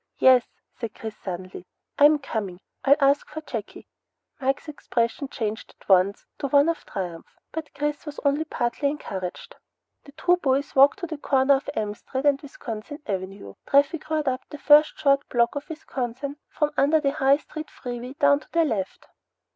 "Yes," said Chris suddenly, "I'm coming. I'll ask for Jakey." Mike's expression changed at once to one of triumph, but Chris was only partly encouraged. The two boys walked to the corner of M Street and Wisconsin Avenue. Traffic roared up the first short block of Wisconsin from under the high steel freeway down to their left.